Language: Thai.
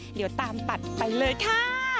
เดี๋ยวตามตัดไปเลยค่ะ